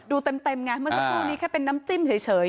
ดูเต็มไงเมื่อสักครู่นี้แค่เป็นน้ำจิ้มเฉย